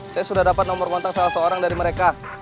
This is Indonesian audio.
saya sudah dapat nomor kontak salah seorang dari mereka